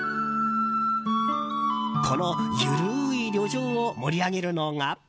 このゆるい旅情を盛り上げるのが。